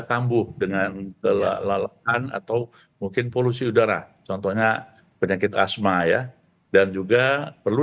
kambuh dengan lalaan atau mungkin polusi udara contohnya penyakit asma ya dan juga perlu